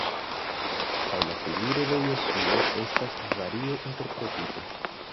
Kaj la figuro de Jesuo estas varie interpretita.